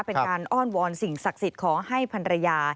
เป็นการอ้อนวอนสิ่งศักดิ์สิทธิ์ขอให้พันรยา